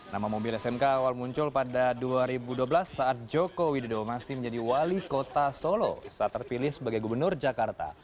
nama mobil smk awal muncul pada dua ribu dua belas saat joko widodo masih menjadi wali kota solo saat terpilih sebagai gubernur jakarta